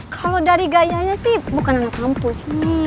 kalau dari gayanya sih bukan anak kampus